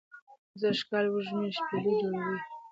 سږ کال وږمې شپیلۍ جوړوی